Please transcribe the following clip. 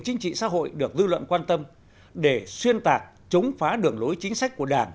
chính trị xã hội được dư luận quan tâm để xuyên tạc chống phá đường lối chính sách của đảng